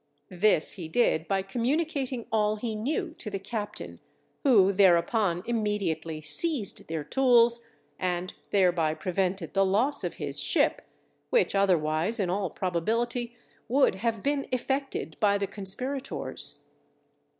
This he did by communicating all he knew to the captain, who thereupon immediately seized their tools, and thereby prevented the loss of his ship, which otherwise in all probability would have been effected by the conspirators.